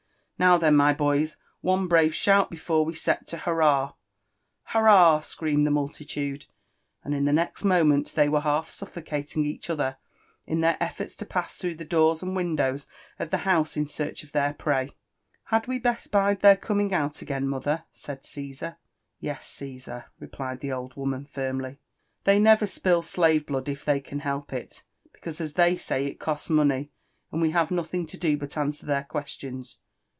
— ^Now then, my boys I One braye shout before we set tcH^hurrah !"Hurrah T' screamed the multitude ; and in the next moment they were half suffocating each other in their efforts to pass through the doors and windows of the house in search of their prey. "Had we best bide their coming out again, mother?" said Caesar. " Yes, GsBsar," replied the old woman firmly. " They never spill slave blood if they can help it, because, as they say, it costs money ; and we have nothing to do but answer their questions.